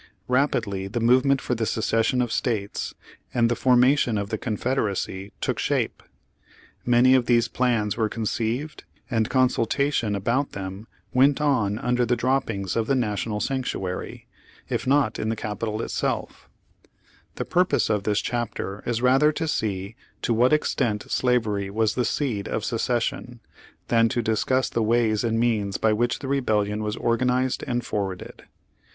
Rapidly the movement for the secession of States, and the formation of the Confederacy took shape. Many of these plans were conceived, and consul tation about them went on under the droppings of the National sanctuary, if not in the Capitol itself. 7 Page Forty nine Page Fifty The purpose of this chapter is rather to see to what extent slavery was the seed of secession, than to discuss the ways and means by which the Rebellion was organized and forwarded.